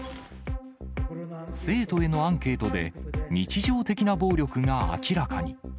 生徒へのアンケートで、日常的な暴力が明らかに。